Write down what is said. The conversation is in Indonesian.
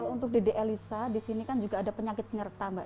untuk dede eliza disini kan juga ada penyakit nyerta mbak